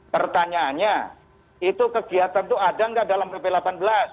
pertanyaannya itu kegiatan itu ada nggak dalam pp delapan belas